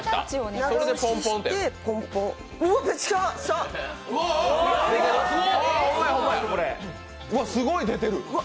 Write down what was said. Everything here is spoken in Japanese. うわ、すごい出てる！